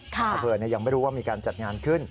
ระเบิดยังไม่รู้ว่ามีการจัดงานขึ้น